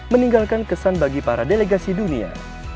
meninggalkan kesan bagi para delegasi dunia